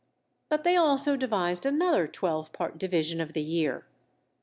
But they also devised another twelve part division of the year.